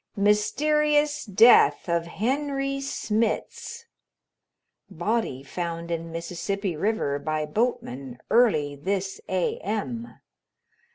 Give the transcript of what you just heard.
MYSTERIOUS DEATH OF HENRY SMITZ Body Found In Mississippi River By Boatman Early This A.M.